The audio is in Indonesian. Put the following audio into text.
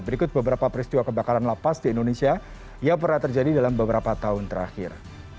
berikut beberapa peristiwa kebakaran lapas di indonesia yang pernah terjadi dalam beberapa tahun terakhir